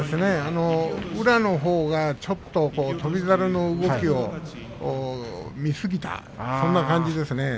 宇良のほうがちょっと翔猿の動きを見すぎたそんな感じですね。